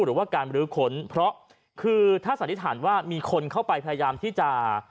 หรือว่าการบรื้อค้นเพราะคือถ้าสันนิษฐานว่ามีคนเข้าไปพยายามที่จะ